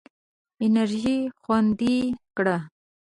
انرژي خوندي کړه.